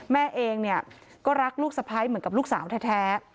แม่เองเนี่ยก็รักลูกสะพ้ายเหมือนกับลูกสาวแท้